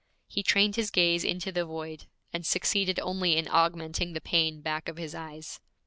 He trained his gaze into the void and succeeded only in augmenting the pain back of his eyes.